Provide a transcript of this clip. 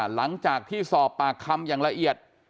หลังจากที่สอบปากคำอย่างละเอียด